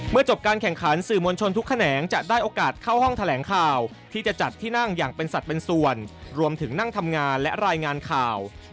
จบการแข่งขันสื่อมวลชนทุกแขนงจะได้โอกาสเข้าห้องแถลงข่าวที่จะจัดที่นั่งอย่างเป็นสัตว์เป็นส่วนรวมถึงนั่งทำงานและรายงานข่าว